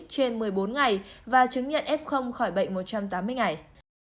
trên một mươi bốn ngày và chứng nhận f khỏi bệnh một trăm tám mươi ngày